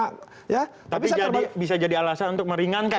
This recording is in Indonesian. tapi bisa jadi alasan untuk meringankan